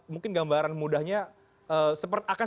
mungkin gambaran mudahnya